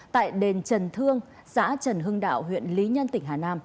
tại đền trần thương xã trần hưng đạo huyện lý nhân tỉnh hà nam